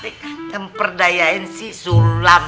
tapi yang perdayain si sulam